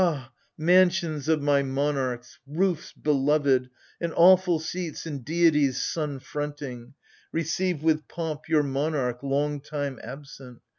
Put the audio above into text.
Ha, mansions of my monarchs, roofs beloved, And awful seats, and deities sun fronting — Receive with pomp your monarch, long time absent